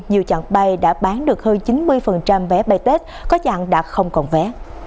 nhiều chặng bay đã bán được hơn chín mươi vé bay tết có dạng đạt không còn vé